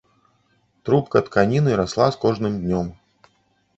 Трубка тканіны расла з кожным днём.